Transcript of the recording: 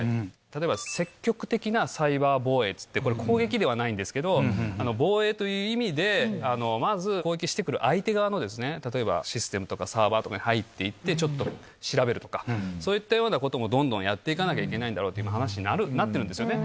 例えば積極的なサイバー防衛って言って、これ、攻撃ではないんですけど、防衛という意味で、まず攻撃してくる相手側のですね、例えば、システムとかサーバーとかに入っていって、ちょっと調べるとか、そういったようなこともどんどんやっていかなきゃいけないんだろうっていう話に今、なってるんですよね。